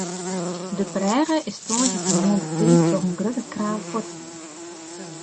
De brêge is tongersdeitemoarn betiid troch in grutte kraan fuorthelle.